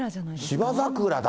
芝桜だ。